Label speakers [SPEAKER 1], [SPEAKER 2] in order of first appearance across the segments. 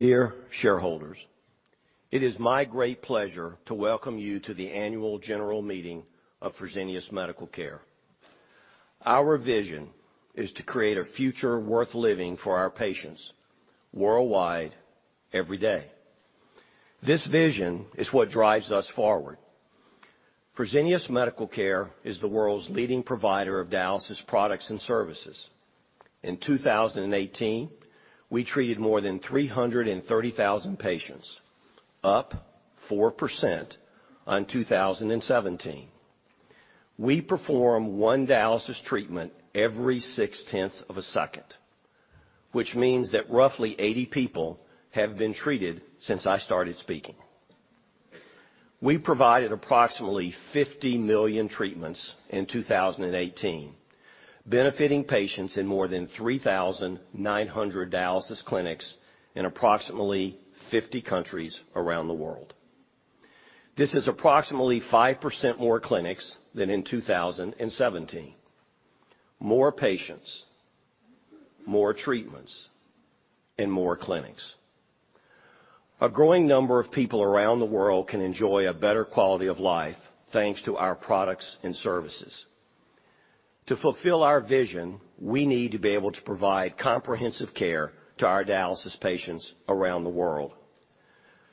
[SPEAKER 1] Dear shareholders, it is my great pleasure to welcome you to the annual general meeting of Fresenius Medical Care. Our vision is to create a future worth living for our patients worldwide, every day. This vision is what drives us forward. Fresenius Medical Care is the world's leading provider of dialysis products and services. In 2018, we treated more than 330,000 patients, up 4% on 2017. We perform one dialysis treatment every six-tenths of a second, which means that roughly 80 people have been treated since I started speaking. We provided approximately 50 million treatments in 2018, benefiting patients in more than 3,900 dialysis clinics in approximately 50 countries around the world. This is approximately 5% more clinics than in 2017. More patients, more treatments, and more clinics. A growing number of people around the world can enjoy a better quality of life, thanks to our products and services. To fulfill our vision, we need to be able to provide comprehensive care to our dialysis patients around the world.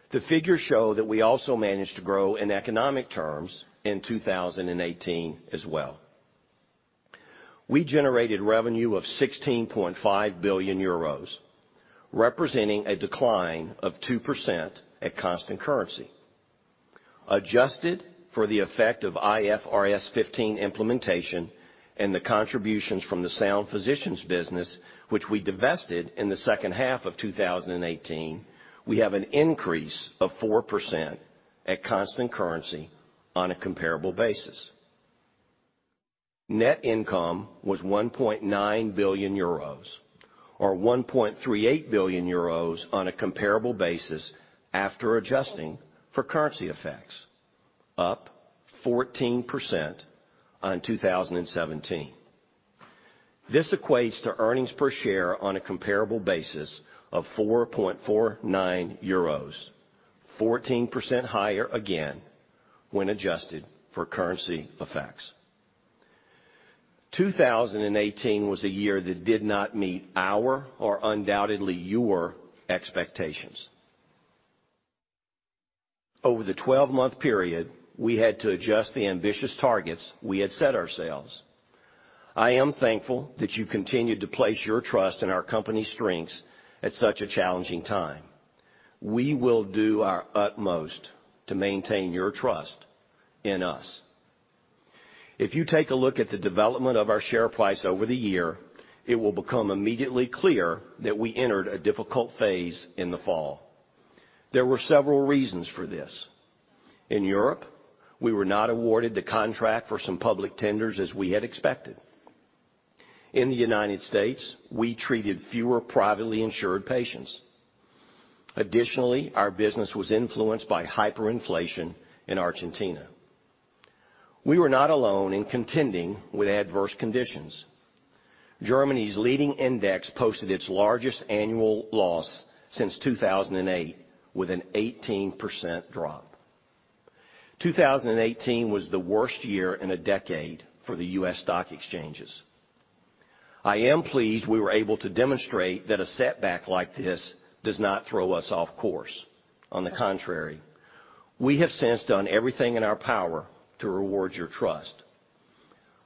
[SPEAKER 1] The figures show that we also managed to grow in economic terms in 2018 as well. We generated revenue of 16.5 billion euros, representing a decline of 2% at constant currency. Adjusted for the effect of IFRS 15 implementation and the contributions from the Sound Physicians business, which we divested in the second half of 2018, we have an increase of 4% at constant currency on a comparable basis. Net income was 1.9 billion euros, or 1.38 billion euros on a comparable basis, after adjusting for currency effects, up 14% on 2017. This equates to earnings per share on a comparable basis of 4.49 euros, 14% higher again when adjusted for currency effects. 2018 was a year that did not meet our, or undoubtedly your, expectations. Over the 12-month period, we had to adjust the ambitious targets we had set ourselves. I am thankful that you continued to place your trust in our company's strengths at such a challenging time. We will do our utmost to maintain your trust in us. If you take a look at the development of our share price over the year, it will become immediately clear that we entered a difficult phase in the fall. There were several reasons for this. In Europe, we were not awarded the contract for some public tenders as we had expected. In the U.S., we treated fewer privately insured patients. Additionally, our business was influenced by hyperinflation in Argentina. We were not alone in contending with adverse conditions. Germany's leading index posted its largest annual loss since 2008, with an 18% drop. 2018 was the worst year in a decade for the U.S. stock exchanges. I am pleased we were able to demonstrate that a setback like this does not throw us off course. On the contrary, we have since done everything in our power to reward your trust.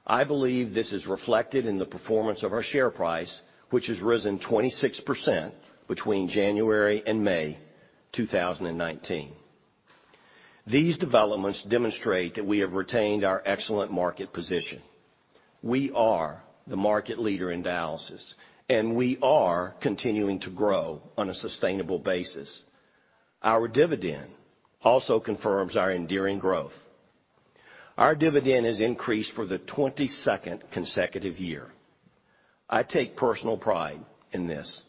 [SPEAKER 1] I believe this is reflected in the performance of our share price, which has risen 26% between January and May 2019. These developments demonstrate that we have retained our excellent market position. We are the market leader in dialysis, and we are continuing to grow on a sustainable basis. Our dividend also confirms our enduring growth. Our dividend has increased for the 22nd consecutive year. I take personal pride in this.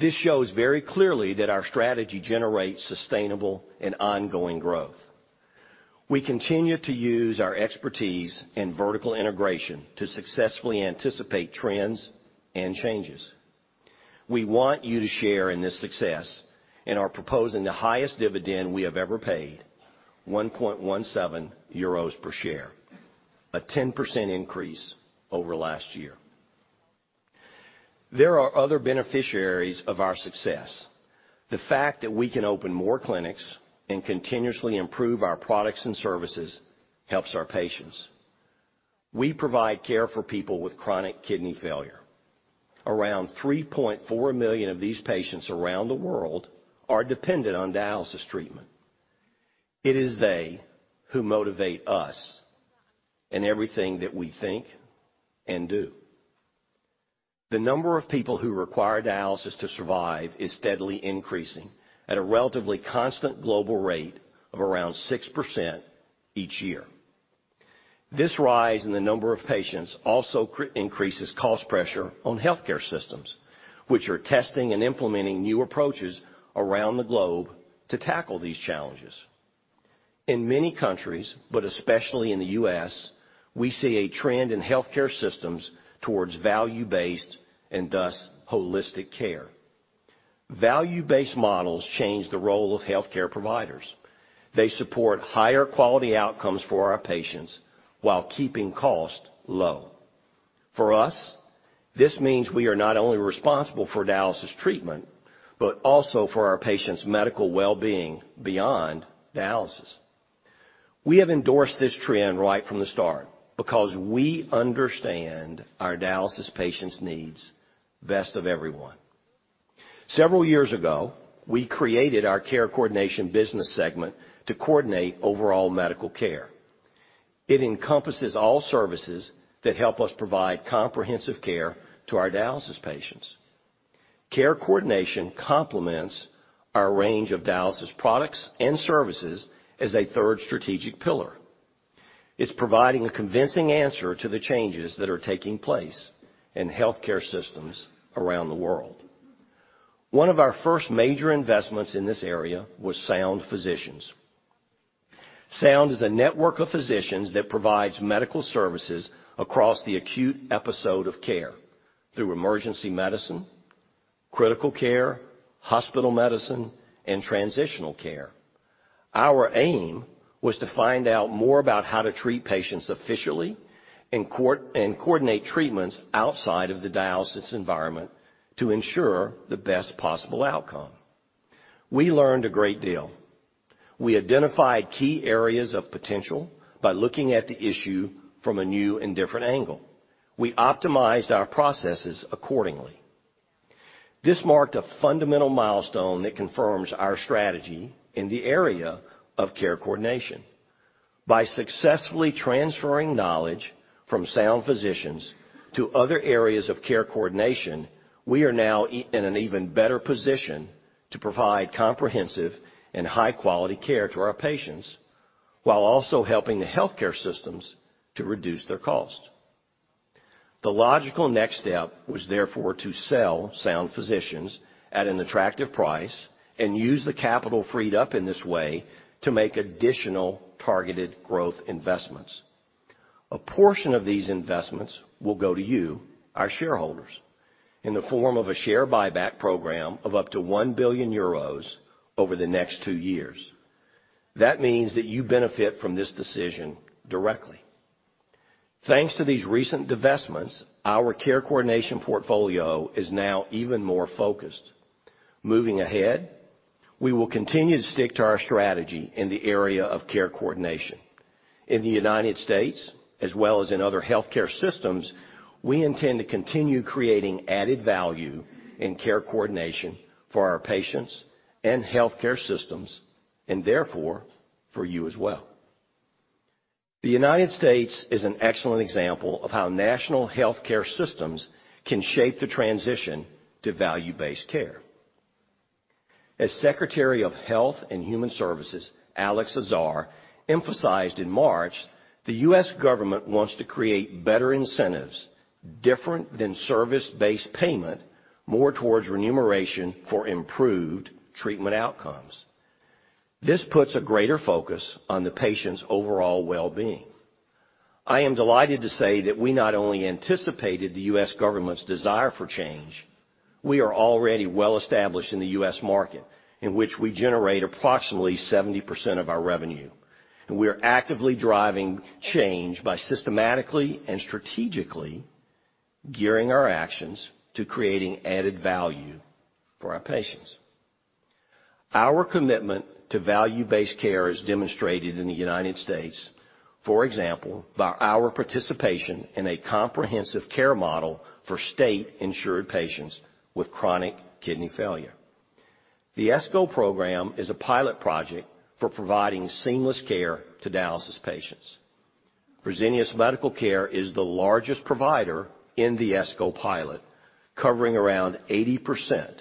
[SPEAKER 1] This shows very clearly that our strategy generates sustainable and ongoing growth. We continue to use our expertise in vertical integration to successfully anticipate trends and changes. We want you to share in this success and are proposing the highest dividend we have ever paid, 1.17 euros per share, a 10% increase over last year. There are other beneficiaries of our success. The fact that we can open more clinics and continuously improve our products and services helps our patients. We provide care for people with chronic kidney failure. Around 3.4 million of these patients around the world are dependent on dialysis treatment. It is they who motivate us in everything that we think and do. The number of people who require dialysis to survive is steadily increasing at a relatively constant global rate of around 6% each year. This rise in the number of patients also increases cost pressure on healthcare systems, which are testing and implementing new approaches around the globe to tackle these challenges. In many countries, but especially in the U.S., we see a trend in healthcare systems towards value-based, and thus holistic care. Value-based models change the role of healthcare providers. They support higher quality outcomes for our patients while keeping cost low. For us, this means we are not only responsible for dialysis treatment, but also for our patients' medical wellbeing beyond dialysis. We have endorsed this trend right from the start because we understand our dialysis patients' needs best of everyone. Several years ago, we created our care coordination business segment to coordinate overall medical care. It encompasses all services that help us provide comprehensive care to our dialysis patients. Care coordination complements our range of dialysis products and services as a third strategic pillar. It's providing a convincing answer to the changes that are taking place in healthcare systems around the world. One of our first major investments in this area was Sound Physicians. Sound is a network of physicians that provides medical services across the acute episode of care through emergency medicine, critical care, hospital medicine, and transitional care. Our aim was to find out more about how to treat patients efficiently and coordinate treatments outside of the dialysis environment to ensure the best possible outcome. We learned a great deal. We identified key areas of potential by looking at the issue from a new and different angle. We optimized our processes accordingly. This marked a fundamental milestone that confirms our strategy in the area of care coordination. By successfully transferring knowledge from Sound Physicians to other areas of care coordination, we are now in an even better position to provide comprehensive and high-quality care to our patients, while also helping the healthcare systems to reduce their cost. The logical next step was therefore to sell Sound Physicians at an attractive price and use the capital freed up in this way to make additional targeted growth investments. A portion of these investments will go to you, our shareholders, in the form of a share buyback program of up to 1 billion euros over the next two years. That means that you benefit from this decision directly. Thanks to these recent divestments, our care coordination portfolio is now even more focused. Moving ahead, we will continue to stick to our strategy in the area of care coordination. In the United States, as well as in other healthcare systems, we intend to continue creating added value in care coordination for our patients and healthcare systems, and therefore, for you as well. The United States is an excellent example of how national healthcare systems can shape the transition to value-based care. As Secretary of Health and Human Services, Alex Azar, emphasized in March, the U.S. government wants to create better incentives, different than service-based payment, more towards remuneration for improved treatment outcomes. This puts a greater focus on the patient's overall wellbeing. I am delighted to say that we not only anticipated the U.S. government's desire for change, we are already well-established in the U.S. market, in which we generate approximately 70% of our revenue. We are actively driving change by systematically and strategically gearing our actions to creating added value for our patients. Our commitment to value-based care is demonstrated in the United States, for example, by our participation in a comprehensive care model for state-insured patients with chronic kidney failure. The ESCO program is a pilot project for providing seamless care to dialysis patients. Fresenius Medical Care is the largest provider in the ESCO pilot, covering around 80%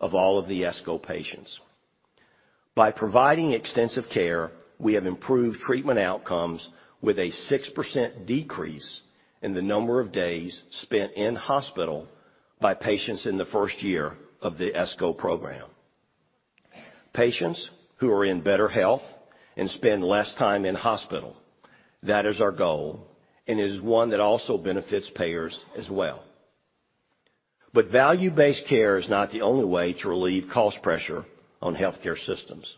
[SPEAKER 1] of all of the ESCO patients. By providing extensive care, we have improved treatment outcomes with a 6% decrease in the number of days spent in hospital by patients in the first year of the ESCO program. Patients who are in better health and spend less time in hospital. That is our goal, and is one that also benefits payers as well. Value-based care is not the only way to relieve cost pressure on healthcare systems.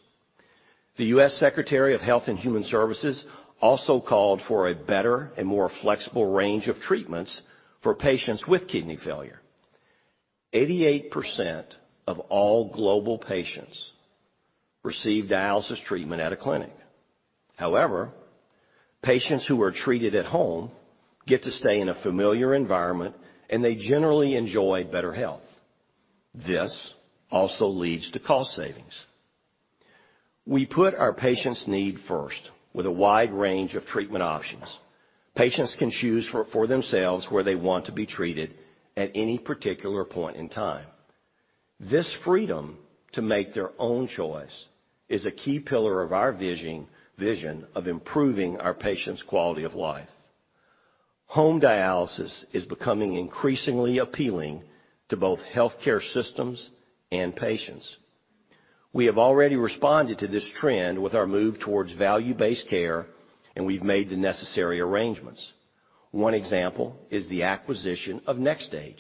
[SPEAKER 1] The U.S. Secretary of Health and Human Services also called for a better and more flexible range of treatments for patients with kidney failure. 88% of all global patients receive dialysis treatment at a clinic. However, patients who are treated at home get to stay in a familiar environment, and they generally enjoy better health. This also leads to cost savings. We put our patients' need first with a wide range of treatment options. Patients can choose for themselves where they want to be treated at any particular point in time. This freedom to make their own choice is a key pillar of our vision of improving our patients' quality of life. Home dialysis is becoming increasingly appealing to both healthcare systems and patients. We have already responded to this trend with our move towards value-based care, we've made the necessary arrangements. One example is the acquisition of NxStage,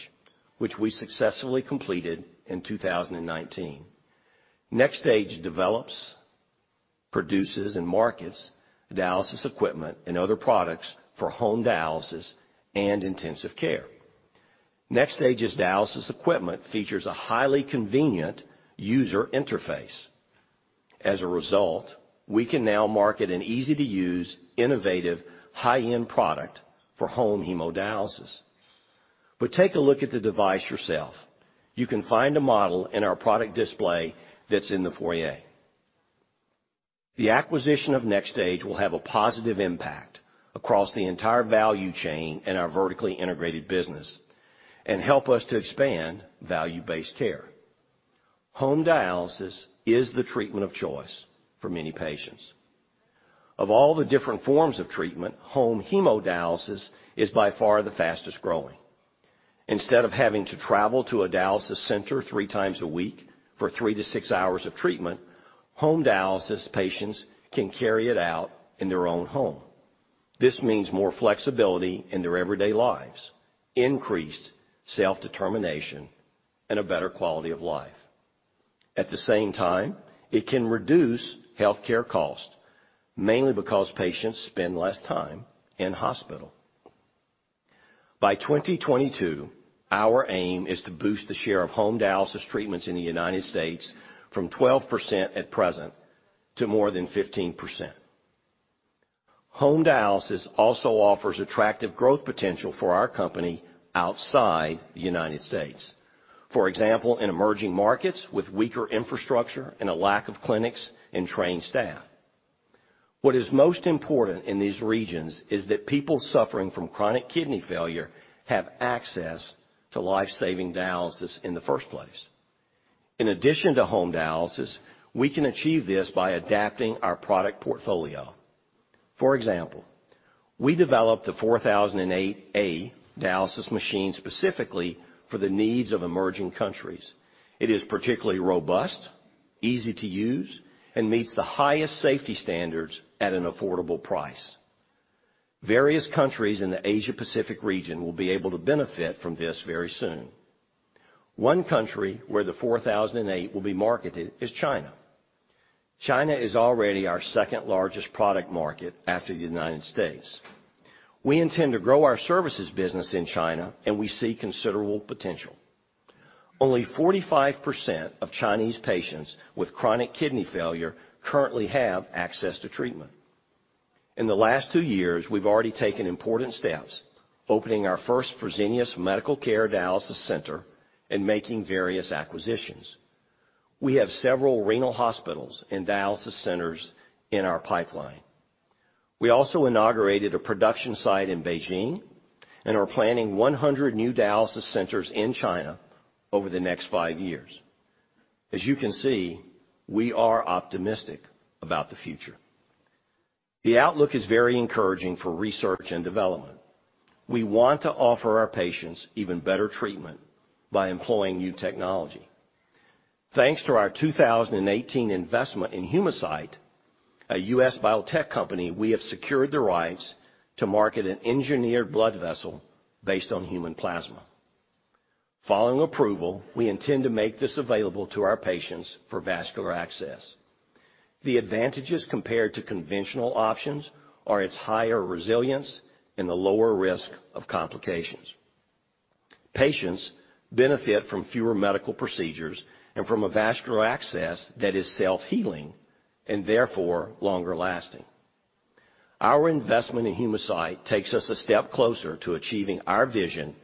[SPEAKER 1] which we successfully completed in 2019. NxStage develops, produces, and markets dialysis equipment and other products for home dialysis and intensive care. NxStage's dialysis equipment features a highly convenient user interface. As a result, we can now market an easy-to-use, innovative, high-end product for home hemodialysis. Take a look at the device yourself. You can find a model in our product display that's in the foyer. The acquisition of NxStage will have a positive impact across the entire value chain in our vertically integrated business and help us to expand value-based care. Home dialysis is the treatment of choice for many patients. Of all the different forms of treatment, home hemodialysis is by far the fastest-growing. Instead of having to travel to a dialysis center three times a week for three to six hours of treatment, home dialysis patients can carry it out in their own home. This means more flexibility in their everyday lives, increased self-determination, and a better quality of life. At the same time, it can reduce healthcare cost, mainly because patients spend less time in hospital. By 2022, our aim is to boost the share of home dialysis treatments in the U.S. from 12% at present to more than 15%. Home dialysis also offers attractive growth potential for our company outside the U.S. For example, in emerging markets with weaker infrastructure and a lack of clinics and trained staff. What is most important in these regions is that people suffering from chronic kidney failure have access to life-saving dialysis in the first place. In addition to home dialysis, we can achieve this by adapting our product portfolio. For example, we developed the 4008A dialysis machine specifically for the needs of emerging countries. It is particularly robust, easy to use, and meets the highest safety standards at an affordable price. Various countries in the Asia-Pacific region will be able to benefit from this very soon. One country where the 4008 will be marketed is China. China is already our second-largest product market after the U.S. We intend to grow our services business in China, and we see considerable potential. Only 45% of Chinese patients with chronic kidney failure currently have access to treatment. In the last two years, we've already taken important steps, opening our first Fresenius Medical Care dialysis center and making various acquisitions. We have several renal hospitals and dialysis centers in our pipeline. We also inaugurated a production site in Beijing and are planning 100 new dialysis centers in China over the next five years. As you can see, we are optimistic about the future. The outlook is very encouraging for research and development. We want to offer our patients even better treatment by employing new technology. Thanks to our 2018 investment in Humacyte, a U.S. biotech company, we have secured the rights to market an engineered blood vessel based on human plasma. Following approval, we intend to make this available to our patients for vascular access. The advantages compared to conventional options are its higher resilience and the lower risk of complications. Patients benefit from fewer medical procedures and from a vascular access that is self-healing and therefore longer-lasting. Our investment in Humacyte takes us a step closer to achieving our vision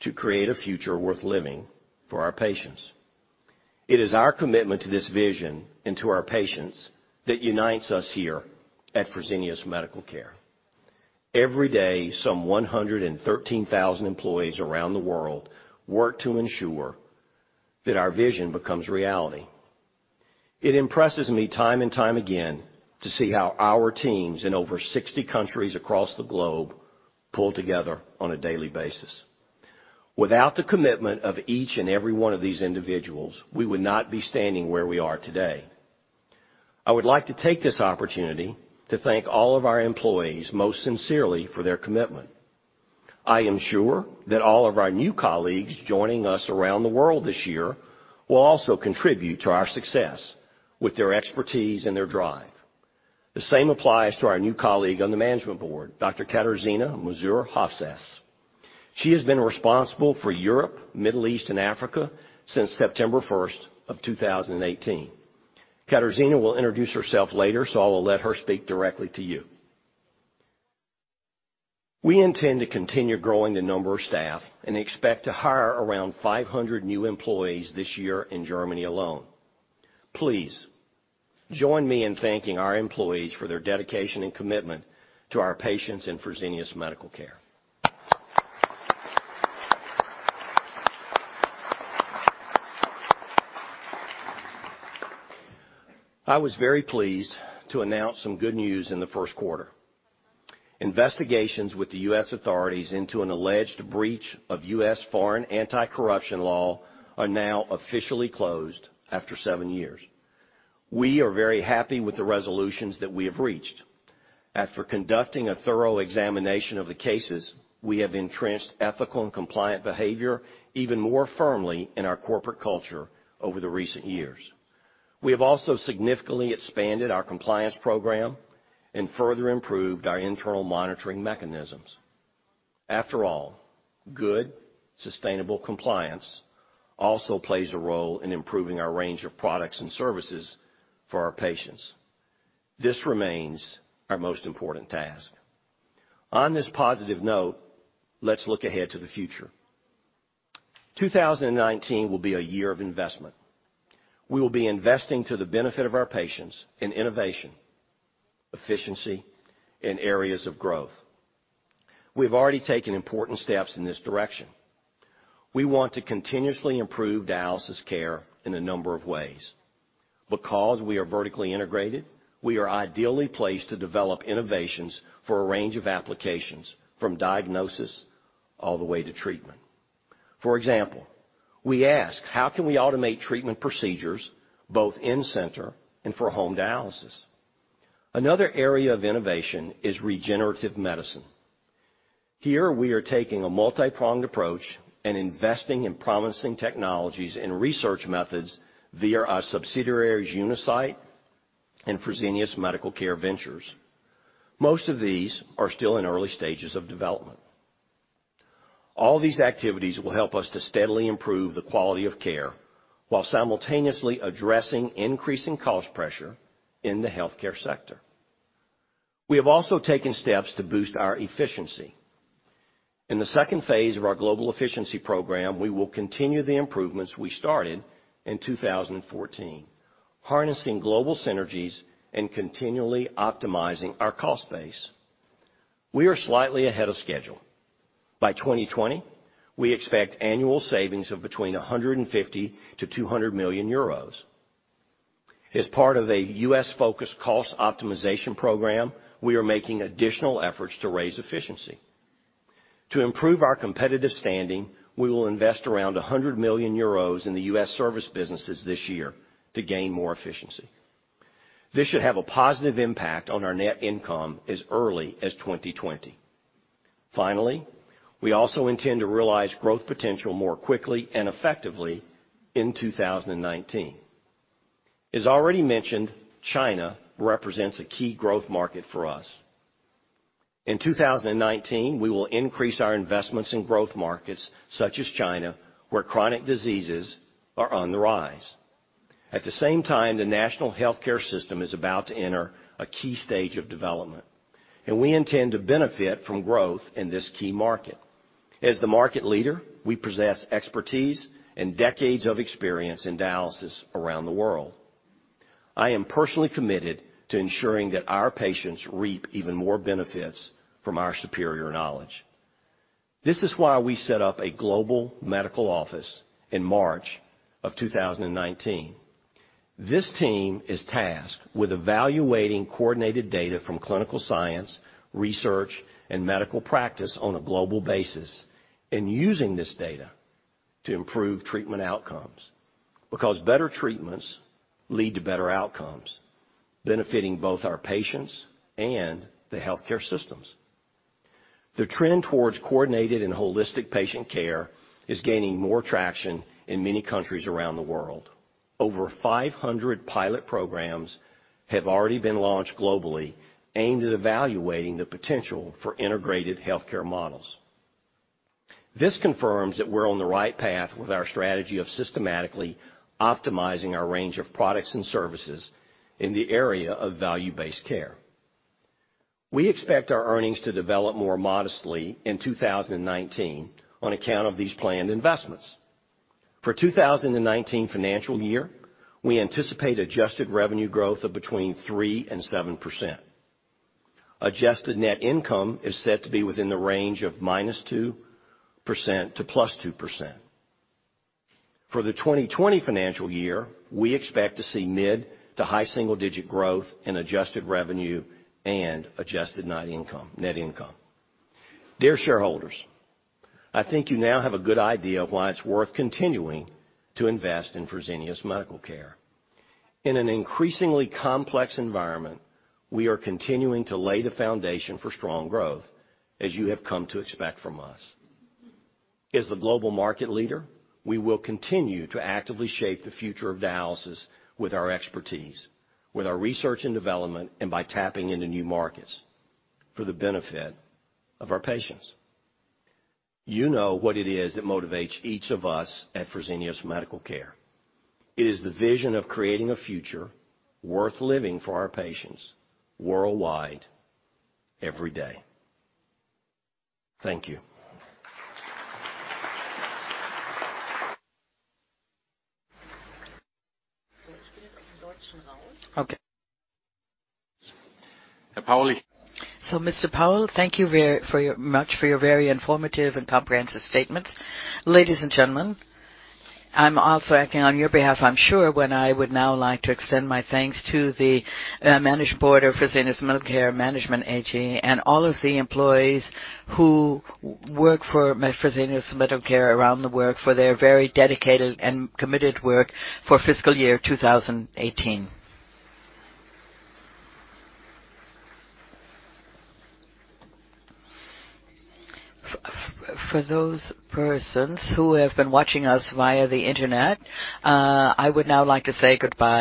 [SPEAKER 1] to create a future worth living for our patients. It is our commitment to this vision and to our patients that unites us here at Fresenius Medical Care. Every day, some 113,000 employees around the world work to ensure that our vision becomes reality. It impresses me time and time again to see how our teams in over 60 countries across the globe pull together on a daily basis. Without the commitment of each and every one of these individuals, we would not be standing where we are today. I would like to take this opportunity to thank all of our employees most sincerely for their commitment. I am sure that all of our new colleagues joining us around the world this year will also contribute to our success with their expertise and their drive. The same applies to our new colleague on the management board, Dr. Katarzyna Mazur-Hofsäss. She has been responsible for Europe, Middle East, and Africa since September 1st of 2018. Katarzyna will introduce herself later, so I will let her speak directly to you. We intend to continue growing the number of staff and expect to hire around 500 new employees this year in Germany alone. Please join me in thanking our employees for their dedication and commitment to our patients and Fresenius Medical Care. I was very pleased to announce some good news in the first quarter. Investigations with the U.S. authorities into an alleged breach of Foreign Corrupt Practices Act are now officially closed after seven years. We are very happy with the resolutions that we have reached. After conducting a thorough examination of the cases, we have entrenched ethical and compliant behavior even more firmly in our corporate culture over the recent years. We have also significantly expanded our compliance program and further improved our internal monitoring mechanisms. After all, good, sustainable compliance also plays a role in improving our range of products and services for our patients. This remains our most important task. On this positive note, let's look ahead to the future. 2019 will be a year of investment. We will be investing to the benefit of our patients in innovation, efficiency, and areas of growth. We've already taken important steps in this direction. We want to continuously improve dialysis care in a number of ways. Because we are vertically integrated, we are ideally placed to develop innovations for a range of applications, from diagnosis all the way to treatment. For example, we ask, how can we automate treatment procedures both in-center and for home dialysis? Another area of innovation is regenerative medicine. Here, we are taking a multi-pronged approach and investing in promising technologies and research methods via our subsidiaries, Unicyte and Fresenius Medical Care Ventures. Most of these are still in early stages of development. All these activities will help us to steadily improve the quality of care while simultaneously addressing increasing cost pressure in the healthcare sector. We have also taken steps to boost our efficiency. In the second phase of our global efficiency program, we will continue the improvements we started in 2014, harnessing global synergies and continually optimizing our cost base. We are slightly ahead of schedule. By 2020, we expect annual savings of between 150 million-200 million euros. As part of a U.S.-focused cost optimization program, we are making additional efforts to raise efficiency. To improve our competitive standing, we will invest around 100 million euros in the U.S. service businesses this year to gain more efficiency. This should have a positive impact on our net income as early as 2020. We also intend to realize growth potential more quickly and effectively in 2019. As already mentioned, China represents a key growth market for us. In 2019, we will increase our investments in growth markets such as China, where chronic diseases are on the rise. At the same time, the national healthcare system is about to enter a key stage of development, we intend to benefit from growth in this key market. As the market leader, we possess expertise and decades of experience in dialysis around the world. I am personally committed to ensuring that our patients reap even more benefits from our superior knowledge. This is why we set up a Global Medical Office in March of 2019. This team is tasked with evaluating coordinated data from clinical science, research, and medical practice on a global basis, and using this data to improve treatment outcomes, because better treatments lead to better outcomes, benefiting both our patients and the healthcare systems. The trend towards coordinated and holistic patient care is gaining more traction in many countries around the world. Over 500 pilot programs have already been launched globally, aimed at evaluating the potential for integrated healthcare models. This confirms that we're on the right path with our strategy of systematically optimizing our range of products and services in the area of value-based care. We expect our earnings to develop more modestly in 2019 on account of these planned investments. For 2019 financial year, we anticipate adjusted revenue growth of between 3% and 7%. Adjusted net income is set to be within the range of minus 2% to plus 2%. For the 2020 financial year, we expect to see mid to high single-digit growth in adjusted revenue and adjusted net income. Dear shareholders, I think you now have a good idea of why it's worth continuing to invest in Fresenius Medical Care. In an increasingly complex environment, we are continuing to lay the foundation for strong growth, as you have come to expect from us. As the global market leader, we will continue to actively shape the future of dialysis with our expertise, with our research and development, and by tapping into new markets for the benefit of our patients. You know what it is that motivates each of us at Fresenius Medical Care. It is the vision of creating a future worth living for our patients worldwide, every day. Thank you.
[SPEAKER 2] Okay. Mr. Powell, thank you very much for your very informative and comprehensive statements. Ladies and gentlemen, I'm also acting on your behalf, I'm sure, when I would now like to extend my thanks to the Management Board of Fresenius Medical Care Management AG, and all of the employees who work for Fresenius Medical Care around the world for their very dedicated and committed work for fiscal year 2018. For those persons who have been watching us via the internet, I would now like to say goodbye